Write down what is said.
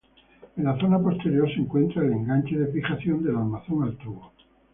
En la zona posterior se encuentra en enganche de fijación del armazón al tubo.